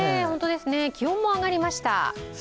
気温も上がりました。